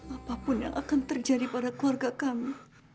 apapun yang akan terjadi pada keluarga kami